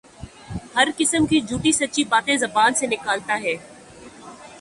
ہر قسم کی جھوٹی سچی باتیں زبان سے نکالتا ہے